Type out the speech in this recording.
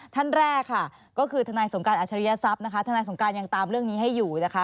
ท่านแรกค่ะก็คือทนายสงการอัชริยศัพย์นะคะทนายสงการยังตามเรื่องนี้ให้อยู่นะคะ